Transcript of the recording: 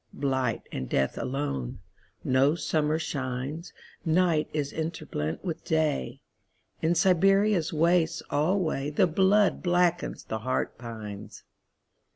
Blight and death alone.No summer shines. Night is interblent with Day.In Siberia's wastes alwayThe blood blackens, the heart pines.